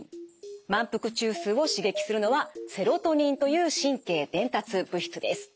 満腹中枢を刺激するのはセロトニンという神経伝達物質です。